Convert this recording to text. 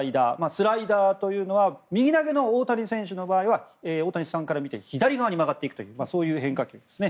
スライダーというのは右投げの大谷選手の場合は大谷さんから見て左側に曲がっていくという変化球です。